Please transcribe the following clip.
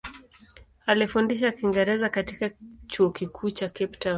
Alifundisha Kiingereza katika Chuo Kikuu cha Cape Town.